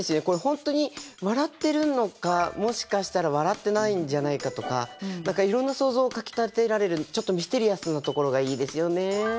これ本当に笑ってるのかもしかしたら笑ってないんじゃないかとか何かいろんな想像をかきたてられるちょっとミステリアスなところがいいですよね。